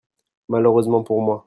Malheureusement pour moi.